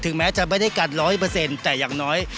ถึงแม้จะไม่ได้กันร้อยเปอร์เซ็นต์แต่อย่างน้อย